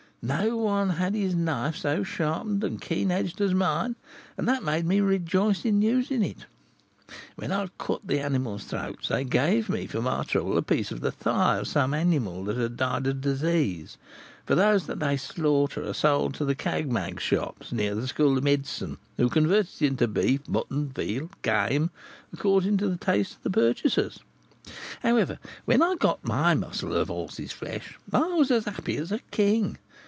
No one had his knife so sharpened and keen edged as mine; and that made me rejoice in using it. When I had cut the animals' throats, they gave me for my trouble a piece of the thigh of some animal that had died of disease; for those that they slaughter are sold to the 'cag mag' shops near the School of Medicine, who convert it into beef, mutton, veal, or game, according to the taste of purchasers. However, when I got to my morsel of horse's flesh, I was as happy as a king!